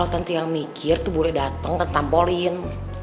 tante yang mikir tuh boleh dateng ke tampolin